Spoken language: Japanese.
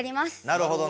なるほど。